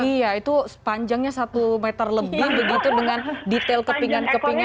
iya itu panjangnya satu meter lebih begitu dengan detail kepingan kepingannya